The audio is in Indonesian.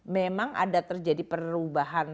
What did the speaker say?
memang ada terjadi perubahan